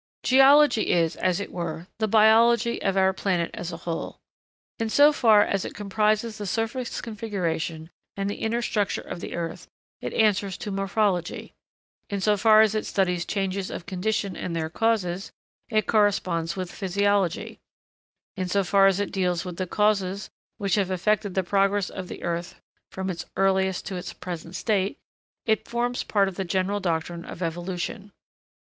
[Sidenote: Geology.] Geology is, as it were, the biology of our planet as a whole. In so far as it comprises the surface configuration and the inner structure of the earth, it answers to morphology; in so far as it studies changes of condition and their causes, it corresponds with physiology; in so far as it deals with the causes which have effected the progress of the earth from its earliest to its present state, it forms part of the general doctrine of evolution.